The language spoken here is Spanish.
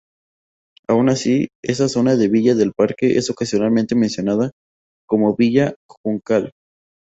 Aun así, esa zona de Villa del Parque es ocasionalmente mencionada como "Villa Juncal".